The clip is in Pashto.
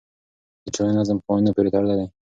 د ټولنې نظم په قوانینو پورې تړلی دی.